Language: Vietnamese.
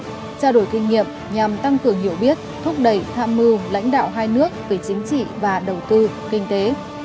trao đổi kinh nghiệm nhằm tăng cường hiểu biết thúc đẩy tham mưu lãnh đạo hai nước về chính trị và đầu tư kinh tế